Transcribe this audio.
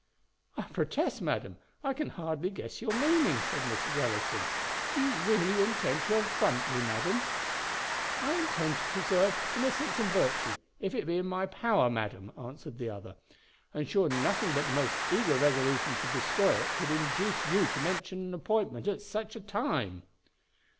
"I protest, madam, I can hardly guess your meaning," said Mrs. Ellison. "Do you really intend to affront me, madam?" "I intend to preserve innocence and virtue, if it be in my power, madam," answered the other. "And sure nothing but the most eager resolution to destroy it could induce you to mention such an appointment at such a time."